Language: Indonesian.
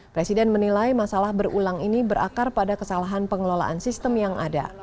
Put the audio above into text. presiden menilai masalah berulang ini berakar pada kesalahan pengelolaan sistem yang ada